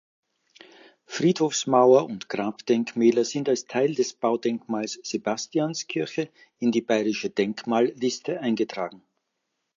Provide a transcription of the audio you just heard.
Friedhofsmauer und Grabdenkmäler sind als Teil des Baudenkmals Sebastianskirche in die Bayerische Denkmalliste eingetragen.